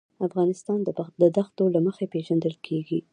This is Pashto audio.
افغانستان د دښتو له مخې پېژندل کېږي.